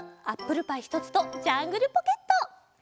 「アップルパイひとつ」と「ジャングルポケット」。